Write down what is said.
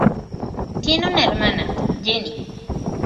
Tiene una hermana, Jenny.